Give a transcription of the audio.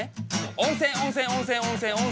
温泉温泉温泉温泉温泉。